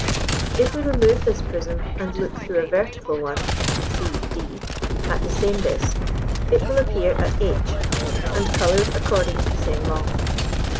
If we remove this prism, and look through a vertical one (c d) at the same disk, it will appear at h, and coloured according to the same law.